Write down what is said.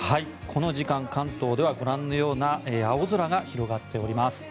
この時間、関東ではご覧のような青空が広がっております。